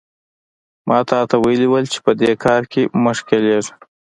ما تاته ویلي وو چې په دې کار کې مه ښکېل کېږه.